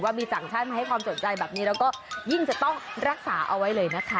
ว่ามีจังชั่นมาให้ความสนใจแบบนี้เราก็ยิ่งจะต้องรักษาเอาไว้เลยนะคะ